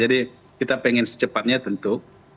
jadi kita ingin secepatnya tentu